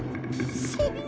そんな。